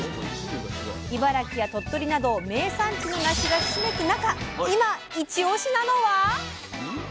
茨城や鳥取など名産地のなしがひしめく中今イチオシなのは？